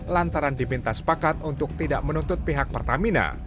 lantaran diminta sepakat untuk tidak menuntut pihak pertamina